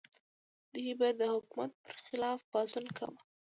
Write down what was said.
دوی به د حکومت پر خلاف پاڅون کاوه.